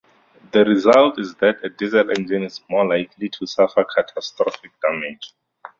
The result is that a diesel engine is more likely to suffer catastrophic damage.